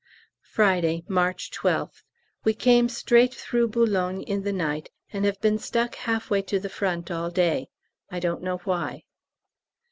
Friday, March 12th. We came straight through Boulogne in the night, and have been stuck half way to the Front all day; I don't know why.